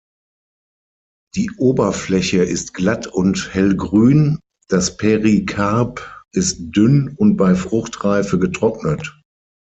Die Oberfläche ist glatt und hellgrün, das Perikarp ist dünn und bei Fruchtreife getrocknet.